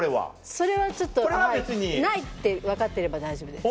それはちょっとはいないって分かってれば大丈夫です。